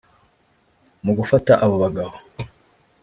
Mu gufata abo bagabo